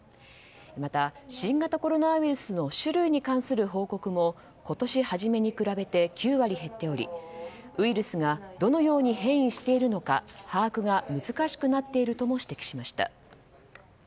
また、新型コロナウイルスの種類に関する報告も今年初めに比べて９割減っておりウイルスがどのように変異しているのか把握が難しくなっているとも指摘しました。